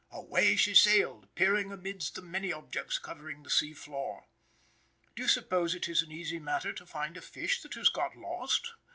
Away she sailed, peering amidst the many objects covering the sea floor. Do you suppose it is an easy matter to find a fish that has got lost?